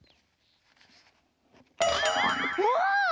うわ！